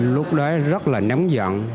lúc đó rất là nấm giận